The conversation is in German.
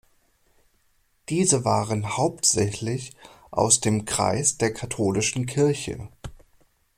Diese waren hauptsächlich aus dem Kreis der katholischen Kirche.